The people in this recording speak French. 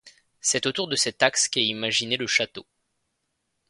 C'est autour de cet axe qu'est imaginé le château.